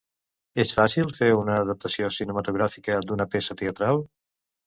És fàcil fer una adaptació cinematogràfica d'una peça teatral?